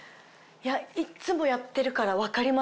いっつもやってるから分かります。